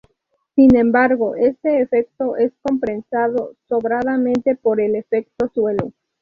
Sin embargo, este efecto es compensado sobradamente por el efecto suelo.